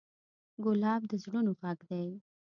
ګلاب د زړونو غږ دی.